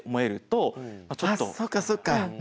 ああそっかそっか。